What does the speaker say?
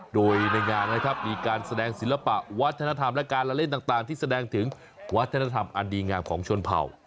โดยในงานนะครับมีการแสดงศิลปะวัฒนธรรมและการละเล่นต่างที่แสดงถึงวัฒนธรรมอันดีงามของชนเผ่า